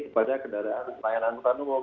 kepada kendaraan layanan umum